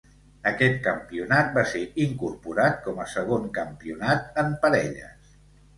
Aquest campionat va ser incorporat com a segon campionat en parelles.